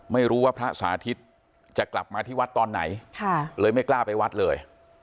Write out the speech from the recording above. ไม่รู้ว่าพระสาธิตจะกลับมาที่วัดตอนไหนเลยไม่กล้าไปวัดเลย